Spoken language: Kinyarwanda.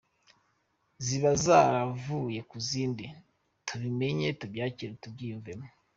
ziba zaravuye kuzindi tubimenye tubyakire tubyiyumvemo,” .